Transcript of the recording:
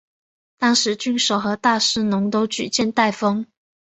当时郡守和大司农都举荐戴封。